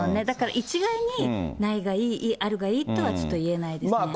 だから一概にね、ないがいい、あるがいいとはちょっと言えないですね。